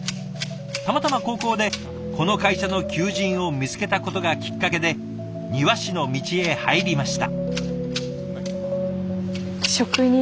たまたま高校でこの会社の求人を見つけたことがきっかけで庭師の道へ入りました。